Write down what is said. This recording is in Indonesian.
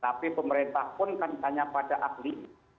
tapi pemerintah pun kan tanya pada ahli